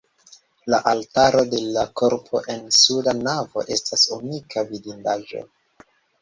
La altaro de la korpo en suda navo estas unika vidindaĵo.